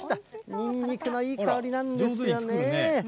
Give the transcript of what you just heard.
ニンニクのいい香りなんですよね。